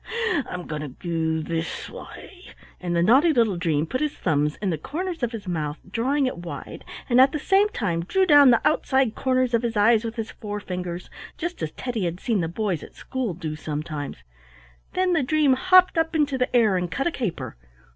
I'm going to do this way," and the naughty little dream put his thumbs in the corners of his mouth, drawing it wide, and at the same time drew down the outside corners of his eyes with his forefingers, just as Teddy had seen the boys at school do sometimes. Then the dream hopped up into the air and cut a caper.